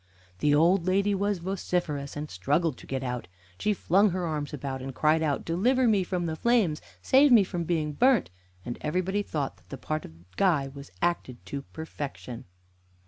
The old lady was vociferous, and struggled to get out. She flung her arms about, and cried out, "Deliver me from the flames! Save me from being burnt!" and everybody thought that the part of guy was acted to perfection.